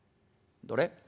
「どれ？」。